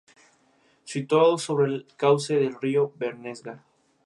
La jueza archivó la causa contra Jaime de Marichalar, al no apreciar imprudencia grave.